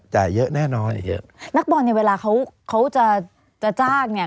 เยอะแน่นอนอีกเยอะนักบอลเนี่ยเวลาเขาเขาจะจะจ้างเนี่ย